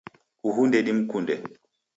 Uhu ndedimkunde.